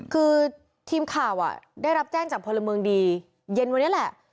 คือทีมข่าวได้รับแจ้งจากพลเมืองดีเย็นวันนี้แหละ